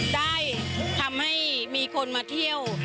ได้ทำให้มีคนมาเที่ยว